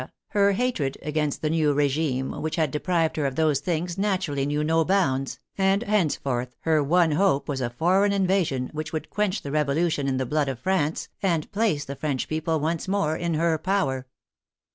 her hatred against the new regime which had deprived her of those things naturally knew no bounds, and henceforth her one hope was a foreign in vasion, which would quench the Revolution in the blood of France, and place the French people once more in her power.